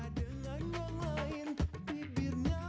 dengan yang lain